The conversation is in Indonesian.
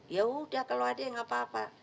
yaudah kalau ada yang apa apa